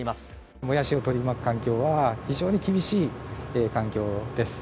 もやしを取り巻く環境は、非常に厳しい環境です。